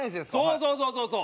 そうそうそうそう。